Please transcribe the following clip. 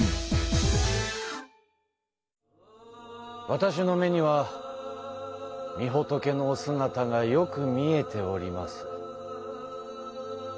わたしの目にはみ仏のお姿がよく見えております。